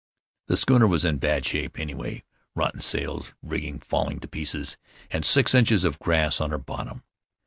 The schooner was in bad shape, any way: rotten sails, rigging falling to pieces, and six inches of grass on her bottom.